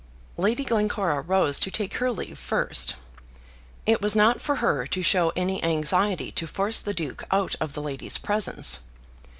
Lady Glencora rose to take her leave first. It was not for her to show any anxiety to force the Duke out of the lady's presence.